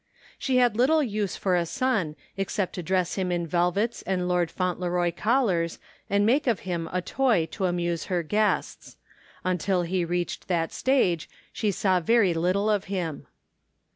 She had little use for a son except to dress him in velvets and Lord Faimtleroy collars and make of him a toy to amuse her guests. Until he reached that stage she saw very little of him.